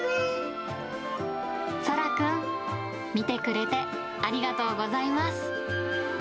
空くん、見てくれてありがとうございます。